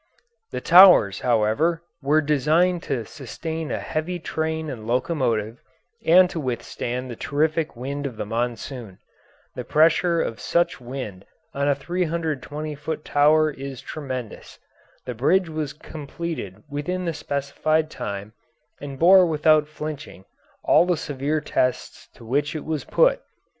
The towers, however, were designed to sustain a heavy train and locomotive and to withstand the terrific wind of the monsoon. The pressure of such a wind on a 320 foot tower is tremendous. The bridge was completed within the specified time and bore without flinching all the severe tests to which it was put.